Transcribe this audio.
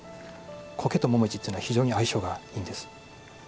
苔と、もみじというのは非常に相性がいいんです。